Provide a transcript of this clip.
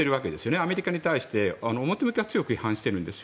アメリカに対して表向きは強く批判してるんですよ。